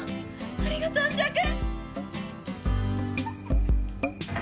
ありがとう芦屋君！